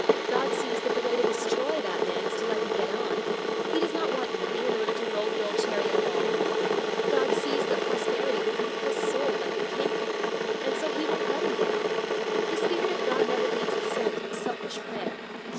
God sees that the way to destroy that man is to let him get on. He does not want money in order to roll the old chariot along. God sees that prosperity would eat his soul like a canker, and so He won't let him get on. The Spirit of God never leads the soul to a selfish prayer.